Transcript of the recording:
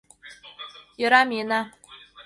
Йӧра, миена.